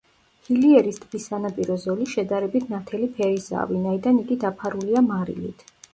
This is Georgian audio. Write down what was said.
ჰილიერის ტბის სანაპირო ზოლი შედარებით ნათელი ფერისაა, ვინაიდან იგი დაფარულია მარილით.